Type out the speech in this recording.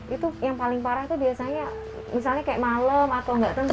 itu yang paling parah itu biasanya misalnya kayak malam atau nggak tentu